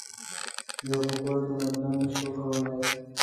په کور کې مجلس نه شو کولای.